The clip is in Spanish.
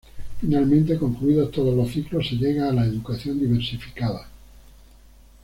Finalmente, concluidos todos los ciclos se llega a la educación diversificada.